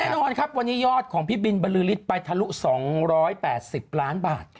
แน่นอนครับวันนี้ยอดของพี่บินบรือฤทธิ์ไปทะลุ๒๘๐ล้านบาท